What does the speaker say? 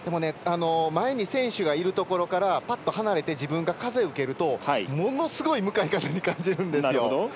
前に選手がいるところからぱっと離れて自分が風を受けるとものすごい向かい風に感じるんですよ。